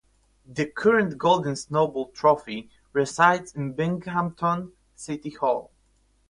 The current Golden Snowball trophy resides in Binghamton City Hall.